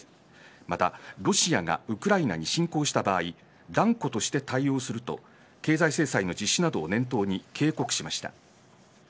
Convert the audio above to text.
またロシアがウクライナに侵攻した場合断固として対応すると経済制裁の実施などを念頭に警告しました。